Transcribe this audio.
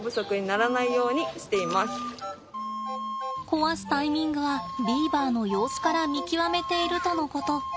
壊すタイミングはビーバーの様子から見極めているとのこと。